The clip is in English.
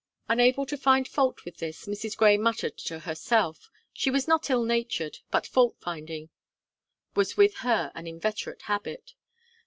Unable to find fault with this, Mrs. Gray muttered to herself. She was not ill natured, but fault finding was with her an inveterate habit.